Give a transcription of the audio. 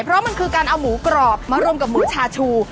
เพราะมันคือการเอาหมูกรอบมารวมกับหมูชาชู